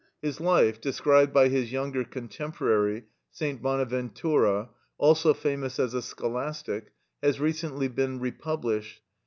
His life, described by his younger contemporary, St. Bonaventura, also famous as a scholastic, has recently been republished.